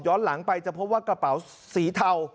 หลังไปจะพบว่ากระเป๋าสีเทา